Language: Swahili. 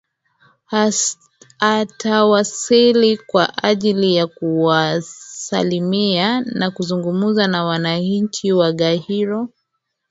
Atawasili kwa ajili ya kuwasalimia na kuzungumza na wananchi wa Gairo